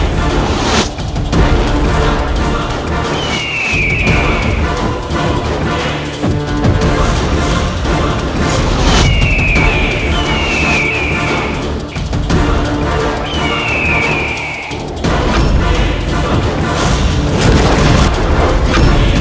dan dia selalu menemukan aku